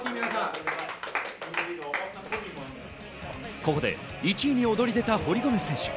ここで１位に躍り出た堀米選手。